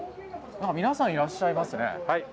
皆さん、いらっしゃいますね。